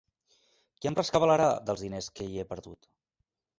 Qui em rescabalarà dels diners que hi he perdut?